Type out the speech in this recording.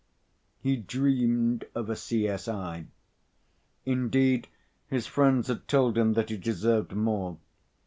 he dreamed of a C.S.I. Indeed, his friends told him that he deserved more.